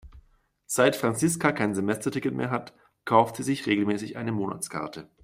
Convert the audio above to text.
Seit Franziska kein Semesterticket mehr hat, kauft sie sich regelmäßig eine Monatskarte.